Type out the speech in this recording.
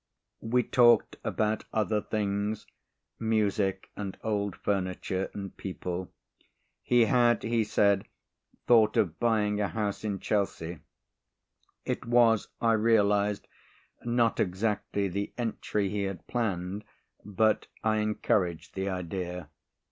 We talked about other things, music and old furniture and people. He had, he said, thought of buying a house in Chelsea. It was, I realised, not exactly the entry he had planned but I encouraged the idea.